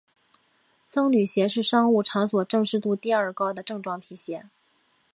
僧侣鞋是商务场所正式度第二高的正装皮鞋。